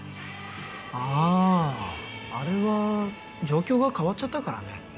あああれは状況が変わっちゃったからね